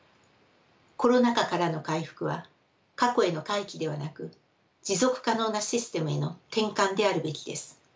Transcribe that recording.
コロナ禍からの回復は過去への回帰ではなく持続可能なシステムへの転換であるべきです。